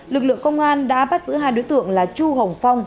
lực lượng công an đã bắt giữ hai đối tượng là chu hồng phong